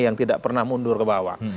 yang tidak pernah mundur ke bawah